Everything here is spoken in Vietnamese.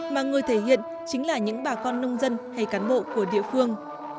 mà người thể hiện chính là những bà con nông dân hay cán bộ của địa phương